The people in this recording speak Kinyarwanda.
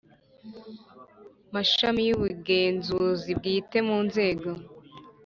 Mashami y ubugenzuzi bwite mu nzego